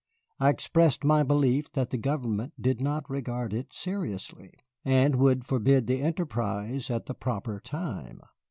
I expressed my belief that the government did not regard it seriously, and would forbid the enterprise at the proper time.